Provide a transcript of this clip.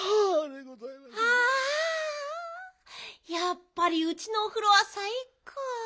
やっぱりうちのおふろはさいこう。